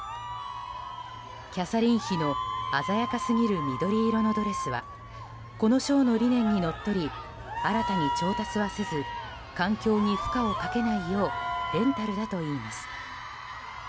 キャサリン妃の鮮やかすぎる緑色のドレスはこの賞の理念にのっとり新たに調達はせず環境に負荷をかけないようレンタルだといいます。